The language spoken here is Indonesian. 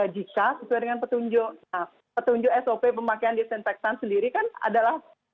jika sesuai dengan petunjuk sop pemakaian disinfektan sendiri kan adalah